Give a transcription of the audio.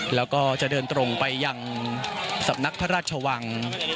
แล้วก็จะเดินตรงไปยังสำนักพระราชวัง